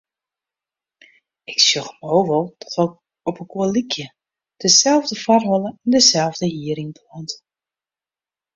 Ik sjoch no wol dat wy opelkoar lykje; deselde foarholle en deselde hierynplant.